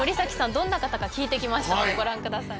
どんな方か聞いてきましたのでご覧ください